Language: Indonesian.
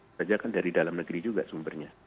saja kan dari dalam negeri juga sumbernya